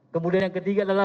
kemudian yang ketiga adalah